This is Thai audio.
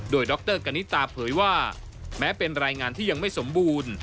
โดยดรกณิตาเผยว่าแม้เป็นรายงานที่ยังไม่สมบูรณ์